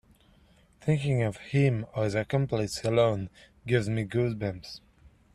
Thinking of him or his accomplice alone gives me goose bumps.